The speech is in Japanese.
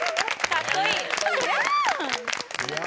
かっこいい！